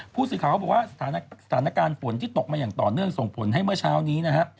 ผู้สื่อข่าวเขาบอกว่าสถานการณ์ฝนที่ตกมาอย่างต่อเนื่องส่งผลให้เมื่อเช้านี้นะฮะ